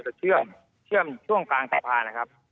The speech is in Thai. จะเชื่อมเชื่อมช่วงกลางตรับผ่านนะครับ